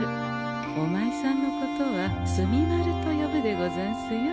おまいさんのことは墨丸と呼ぶでござんすよ。